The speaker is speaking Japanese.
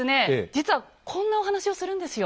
実はこんなお話をするんですよ。